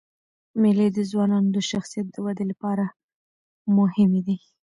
مېلې د ځوانانو د شخصیت د ودي له پاره مهمي دي.